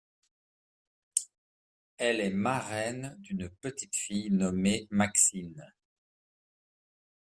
Elle est marraine d'une petite fille nommée Maxine.